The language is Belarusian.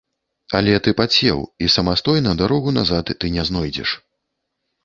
Але ты падсеў, і самастойна дарогу назад ты не знойдзеш.